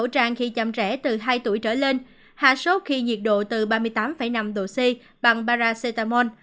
trẻ từ hai tuổi trở lên hạ sốt khi nhiệt độ từ ba mươi tám năm độ c bằng paracetamol